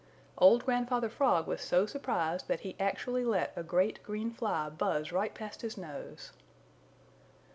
Old Grandfather Frog was so surprised that he actually let a great green fly buzz right past his nose.